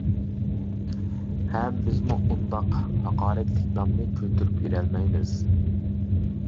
ھەم بىزمۇ ئۇنداق ھاقارەتلىك نامنى كۆتۈرۈپ يۈرەلمەيمىز.